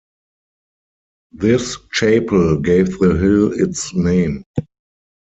This chapel gave the hill its name.